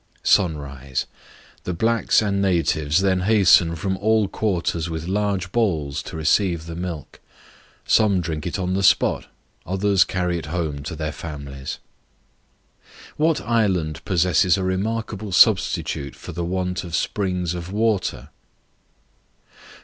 Sunrise; the blacks and natives then hasten from all quarters with large bowls to receive the milk; some drink it on the spot, others carry it home to their families. What island possesses a remarkable substitute for the want of springs of Water?